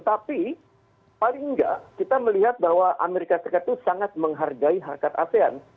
tapi paling tidak kita melihat bahwa amerika serikat itu sangat menghargai harkat asean